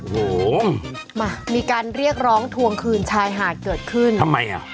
โอ้โหมามีการเรียกร้องทวงคืนชายหาดเกิดขึ้นทำไมอ่ะ